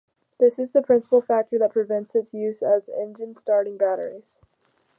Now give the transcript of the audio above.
This is the principal factor that prevents its use as engine-starting batteries.